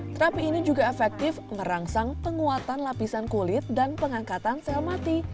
terapi ini juga efektif merangsang penguatan lapisan kulit dan pengangkatan sel mati